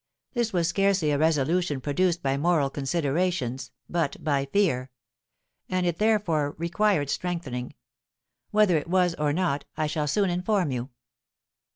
This was scarcely a resolution produced by moral considerations, but by fear; and it therefore required strengthening. Whether it was, or not, I shall soon inform you.